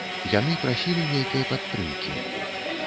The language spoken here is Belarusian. Яны прасілі нейкай падтрымкі.